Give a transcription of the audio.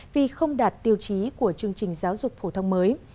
vì không đạt tiêu chí của chương trình giáo dục phổ thông mới